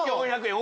４００円。